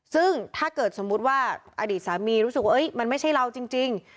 ซึ่งถ้าเกิดสมมุติว่าอดีตสามีรู้สึกว่ามันไม่ใช่เราจริง